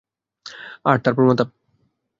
আর তার পর মাথা।